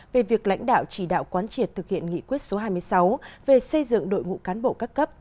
về việc lãnh đạo chỉ đạo quán triệt thực hiện nghị quyết số hai mươi sáu về xây dựng đội ngũ cán bộ các cấp